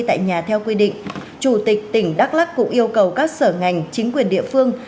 tại nhà theo quy định chủ tịch tỉnh đắk lắc cũng yêu cầu các sở ngành chính quyền địa phương